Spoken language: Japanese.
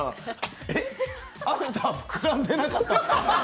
えっ、アフター、膨らんでなかったですか？